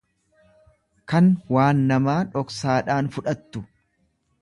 kan waan namaa dhoksaadhaan fudhattu.